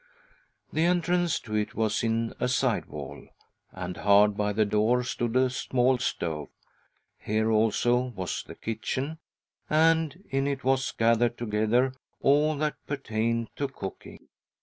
The entrance to it was in a side wall, and hard by the door stood a small stove. Here also was the kitchen, and in it was gathered together all that pertained to cooking.